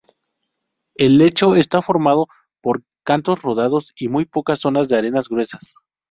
El lecho está formado por cantos rodados y muy pocas zonas de arenas gruesas.